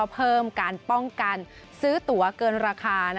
เพิ่มการป้องกันซื้อตัวเกินราคา